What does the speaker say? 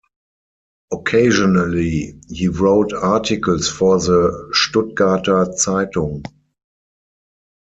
Occasionally, he wrote articles for the "Stuttgarter Zeitung".